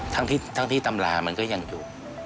ทั้งที่ตำรามันก็ยังอยู่